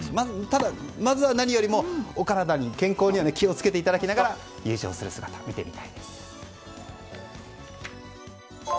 ただ、まずは何よりもお体、健康には気を付けていただきながら優勝する姿見てみたいです。